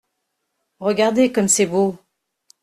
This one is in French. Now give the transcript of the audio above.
Regardez comme c’est beau !